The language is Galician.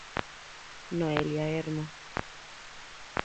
Noelia Hermo.